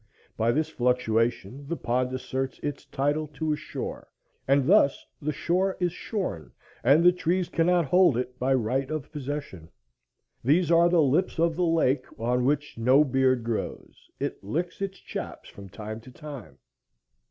By this fluctuation the pond asserts its title to a shore, and thus the shore is shorn, and the trees cannot hold it by right of possession. These are the lips of the lake on which no beard grows. It licks its chaps from time to time.